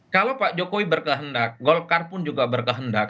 kalau pak jokowi berkehendak golkar pun juga berkehendak